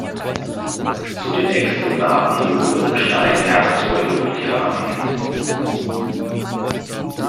Zu den Exponaten gehören Steinwerkzeuge und Keramiken.